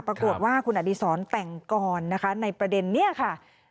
ปรากฏว่าคุณอดีศรแต่งกรนะคะในประเด็นนี้ค่ะ